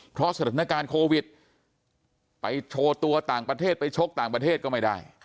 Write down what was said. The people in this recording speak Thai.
เพราะสถานการณ์โควิดไปโชว์ตัวต่างประเทศไปชกต่างประเทศก็ไม่ได้